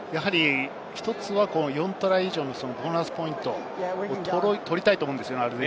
１つは４トライ以上のボーナスポイントを取りたいと思うんですよね。